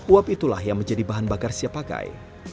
uap itulah yang menjadi bahan bakar siap pakai